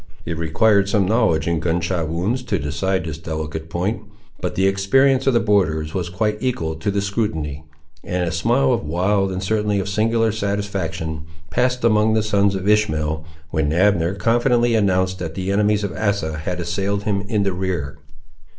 It required some knowledge in gun shot wounds to decide this delicate point, but the experience of the borderers was quite equal to the scrutiny; and a smile of wild, and certainly of singular satisfaction, passed among the sons of Ishmael, when Abner confidently announced that the enemies of Asa had assailed him in the rear.